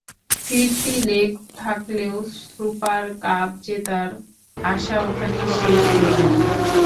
ফিরতি লেগ থাকলেও super cup জেতার আশা ওখানেই শেষ হয়ে গেল।